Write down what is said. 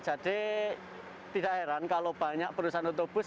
jadi tidak heran kalau banyak perusahaan otobus